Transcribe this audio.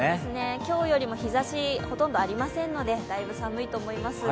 今日よりも日ざし、ほとんどありませんのでだいぶ寒いと思います。